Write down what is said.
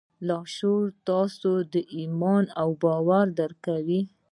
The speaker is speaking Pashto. لاشعور تاسې ته ایمان او باور درکوي